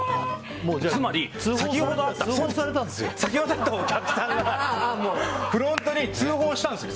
つまり、先ほど会ったお客さんがフロントに通報したんですよ。